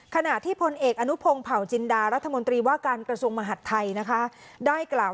ขณะที่พลเอกอนุพงศ์เผาจินดารัฐมนตรีว่าการกระทรวงมหัฐไทยนะคะได้กล่าว